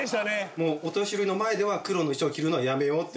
もうお年寄りの前では黒の衣装を着るのはやめようって。